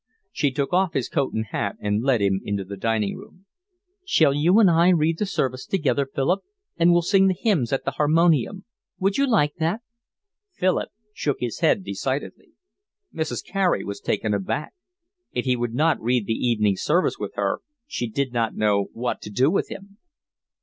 She took off his hat and coat, and led him into the dining room. "Shall you and I read the service together, Philip, and we'll sing the hymns at the harmonium. Would you like that?" Philip shook his head decidedly. Mrs. Carey was taken aback. If he would not read the evening service with her she did not know what to do with him.